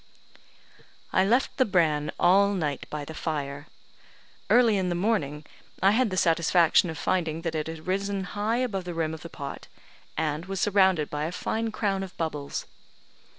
I left the bran all night by the fire. Early in the morning I had the satisfaction of finding that it had risen high above the rim of the pot, and was surrounded by a fine crown of bubbles.